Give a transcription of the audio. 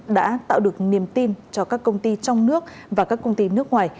đã tạo được niềm tin cho các công ty trong nước và các công ty nước ngoài